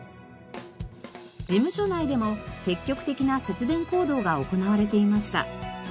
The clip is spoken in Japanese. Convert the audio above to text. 事務所内でも積極的な節電行動が行われていました。